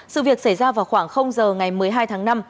sự việc xảy ra vào khoảng giờ ngày một mươi hai tháng năm